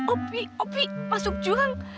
opi opi masuk jurang